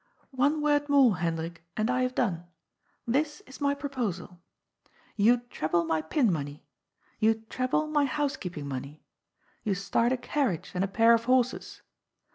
" One word more, Hendrik, and I have done. This is my proposal. You treble my pin money. You treble my housekeeping money. You start a carriage and a pair of horses.